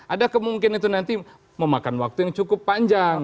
ada kemungkinan itu nanti memakan waktu yang cukup panjang